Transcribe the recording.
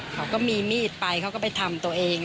เขาก็มีมีดไปเขาก็ไปทำตัวเอง